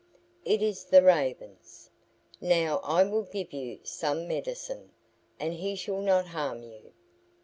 It is the Ravens. Now I will give you some medicine, and he shall not harm you.